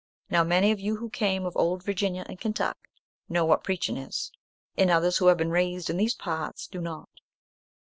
Now many of you who came of Old Virginia and Kentuck, know what preaching is, and others who have been raised in these parts do not.